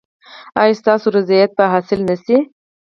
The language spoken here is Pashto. ایا ستاسو رضایت به حاصل نه شي؟